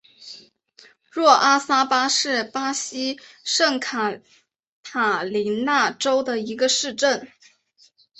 若阿萨巴是巴西圣卡塔琳娜州的一个市镇。